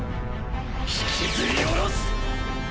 引きずり下ろす！